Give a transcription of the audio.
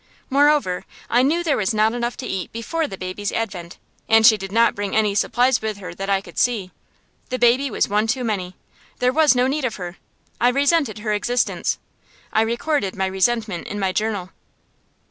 Moreover, I knew there was not enough to eat before the baby's advent, and she did not bring any supplies with her that I could see. The baby was one too many. There was no need of her. I resented her existence. I recorded my resentment in my journal.